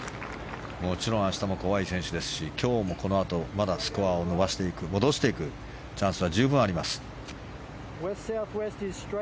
もちろん明日も怖い選手ですし今日も、このあとまだスコアを伸ばしていく戻していくチャンスは十分にあります。